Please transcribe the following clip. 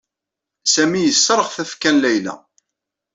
Sami yesserɣ tafekka n Layla.